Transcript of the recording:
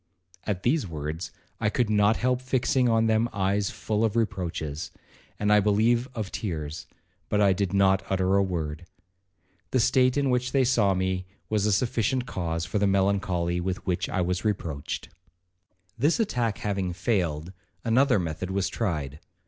At these words I could not help fixing on them eyes full of reproaches, and I believe of tears,—but I did not utter a word. The state in which they saw me, was a sufficient cause for the melancholy with which I was reproached. 'This attack having failed, another method was tried.